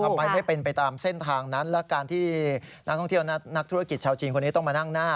ทำไมไม่เป็นไปตามเส้นทางนั้นและการที่นักท่องเที่ยวนักธุรกิจชาวจีนคนนี้ต้องมานั่งหน้า